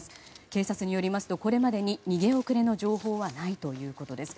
警察によりますと、これまでに逃げ遅れの情報はないということです。